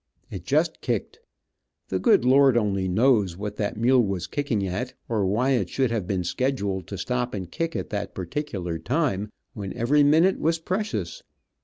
It just kicked. The good Lord only knows, what that mule was kicking at, or why it should have been scheduled to stop and kick at that particular time, when every minute was precious.